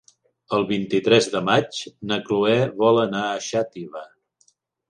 El vint-i-tres de maig na Cloè vol anar a Xàtiva.